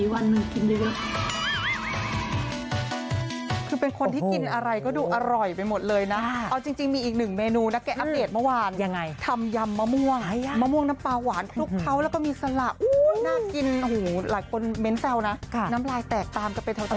วันนี้ปล่อยผีวันมึงกินได้ด้วยหรือเปล่า